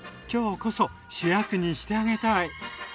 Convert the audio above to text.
今日こそ主役にしてあげたい！